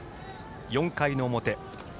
４回の表。